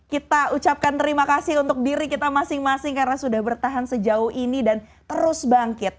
kita ucapkan terima kasih untuk diri kita masing masing karena sudah bertahan sejauh ini dan terus bangkit